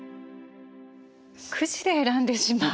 くじで選んでしまう。